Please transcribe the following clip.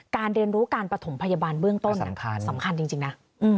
เรียนรู้การประถมพยาบาลเบื้องต้นสำคัญจริงนะ